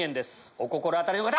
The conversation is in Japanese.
お心当たりの方！